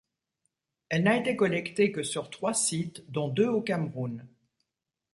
Elle n'a été collectée que sur trois sites, dont deux au Cameroun.